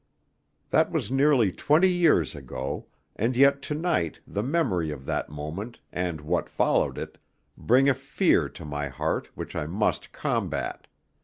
That was nearly twenty years ago, and yet to night the memory of that moment, and what followed it, bring a fear to my heart which I must combat.